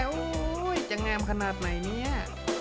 โอ๊ยจะงามขนาดไหนเนี่ย